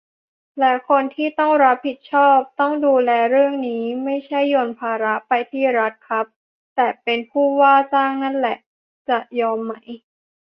และคนที่ต้องรับผิดชอบ ต้องดูแลเรื่องนี้ ไม่ใช่โยนภาระไปที่รัฐครับ แต่เป็นผู้จ้างนั่นแหละ จะยอมไหม